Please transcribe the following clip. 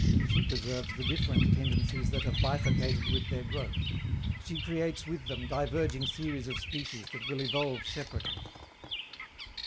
She preserves the different tendencies that have bifurcated with their growth. She creates with them diverging series of species that will evolve separately.